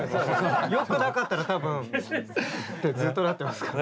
よくなかったら多分ってずっとなってますから。